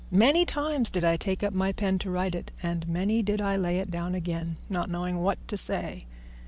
Many times did I take up my pen to write it, and many did I lay it down again, not knowing what to write.